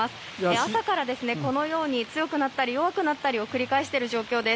朝からこのように強くなったり弱くなったりを繰り返している状況です。